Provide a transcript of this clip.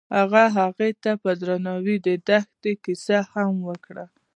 هغه هغې ته په درناوي د دښته کیسه هم وکړه.